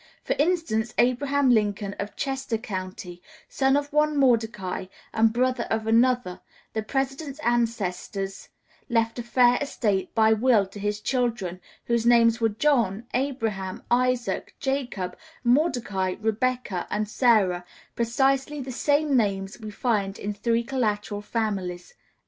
For instance, Abraham Lincoln, of Chester County, son of one Mordecai and brother of another, the President's ancestors, left a fair estate, by will, to his children, whose names were John, Abraham, Isaac, Jacob, Mordecai, Rebecca, and Sarah precisely the same names we find in three collateral families.